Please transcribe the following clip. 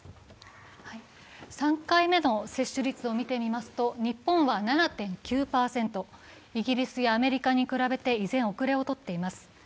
３回目の接種率を見てみますと、日本は７．９％、イギリスやアメリカに比べて依然、おくれを取っています。